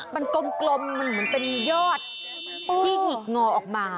มันกลมมันเหมือนเป็นยอดที่หงิกงอออกมา